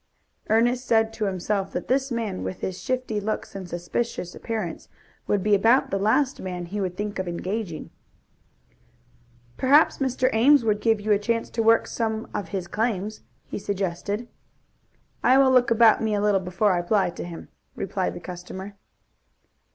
Ernest said to himself that this man with his shifty looks and suspicious appearance would be about the last man he would think of engaging. "Perhaps Mr. Ames would give you a chance to work some of his claims," he suggested. "I will look about me a little before I apply to him," replied the customer.